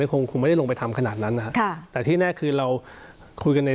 คงไม่ได้ลงไปทำขนาดนั้นแต่ที่แน่คือเราคุยกันทั้งในส่อ